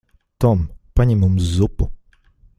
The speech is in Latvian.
Tom. Paņem mums zupu.